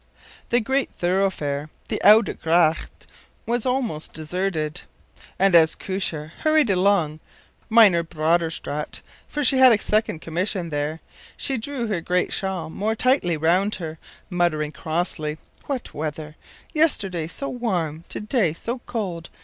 The great thoroughfare, the Oude Gracht, was almost deserted, and as Koosje hurried along the Meinerbroederstraat for she had a second commission there she drew her great shawl more tightly round her, muttering crossly, “What weather! yesterday so warm, to day so cold.